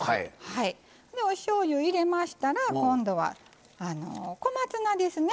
おしょうゆ入れましたら今度は小松菜ですね。